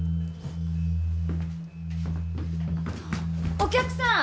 ・お客さん